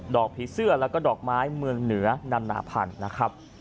อกผีเสื้อแล้วก็ดอกไม้เมืองเหนือนานาพันธุ์นะครับ